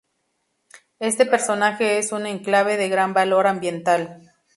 Este paraje es un enclave de gran valor ambiental.